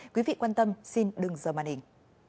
quý vị quan tâm xin đừng giờ màn hình